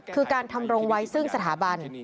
คือการทำรงไว้ซึ่งสถาบัน